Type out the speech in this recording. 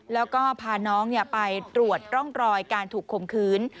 แล้วก็พาน้องไปตรวจร่องรอยการถูกข่มขืน